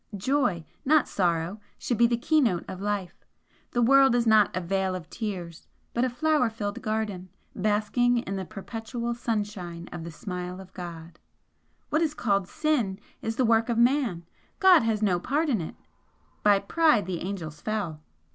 Joy, not sorrow, should be the keynote of life the world is not a 'vale of tears' but a flower filled garden, basking in the perpetual sunshine of the smile of God. What is called 'sin' is the work of Man God has no part in it. 'By pride the angels fell.'